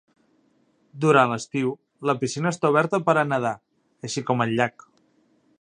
Durant l'estiu la piscina està oberta per a nedar, així com el llac.